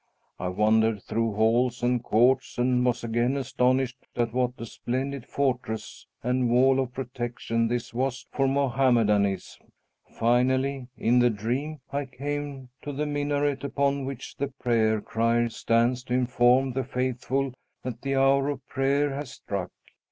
I wandered through halls and courts and was again astonished at what a splendid fortress and wall of protection this was for Mohammedanism. Finally in the dream I came to the minaret upon which the prayer crier stands to inform the faithful that the hour of prayer has struck.